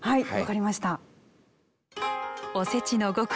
はい。